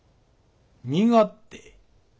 身勝手？